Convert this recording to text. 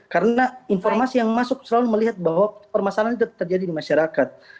karena informasi yang masuk selalu melihat bahwa permasalahan itu terjadi di masyarakat